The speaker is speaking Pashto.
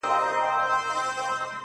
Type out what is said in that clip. • پر ورکه لار ملګري سول روان څه به کوو؟,